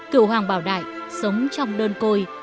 cựu hoàng bảo đại sống trong đơn côi